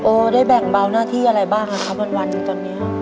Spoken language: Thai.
ได้แบ่งเบาหน้าที่อะไรบ้างครับวันตอนนี้